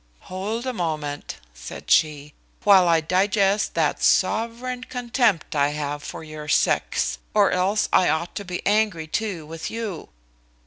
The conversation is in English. "Hold a moment," said she, "while I digest that sovereign contempt I have for your sex; or else I ought to be angry too with you.